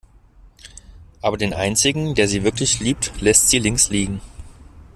Aber den einzigen, der sie wirklich liebt, lässt sie links liegen.